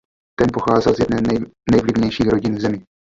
Ten pocházel z jedné z nejvlivnějších rodin v zemi.